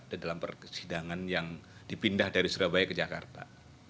di dalam persidangan yang dipindah dari surabaya ke jakarta